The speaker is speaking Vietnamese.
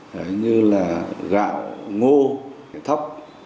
đấy như là gạo ngô thóc